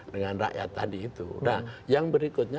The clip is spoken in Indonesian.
dengan rakyat tadi itu nah yang berikutnya